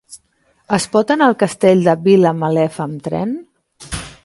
Es pot anar al Castell de Vilamalefa amb tren?